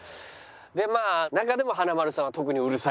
でまあ中でも華丸さんは。